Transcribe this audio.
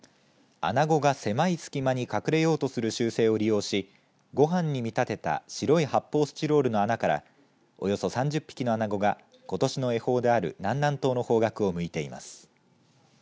アナゴが狭い隙間に隠れようとする習性を利用しごはんに見立てた白い発泡スチロールの穴からおよそ３０匹のアナゴがことしの恵方である南南東の方角を向いています。